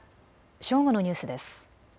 正午のニュースです。